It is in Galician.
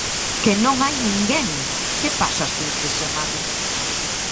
¡Que non hai ninguén! ¿Que pasa as fins de semana?